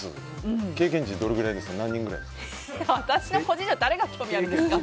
経験値どれぐらいですか？